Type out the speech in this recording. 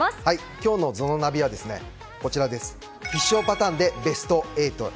今日のＺＯＮＯナビは必勝パターンでベスト８へ。